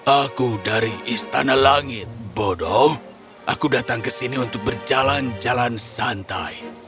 aku dari istana langit bodoh aku datang ke sini untuk berjalan jalan santai